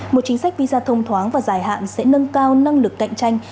một chính sách visa thông thoáng và dài hạn sẽ nâng cao năng lực cạnh tranh